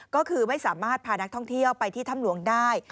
ก็คือไม่สามารถพานักท่องเที่ยวไปที่ถ้ำหลวงได้